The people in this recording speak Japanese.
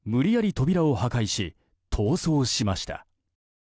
扉を破壊し逃走しました。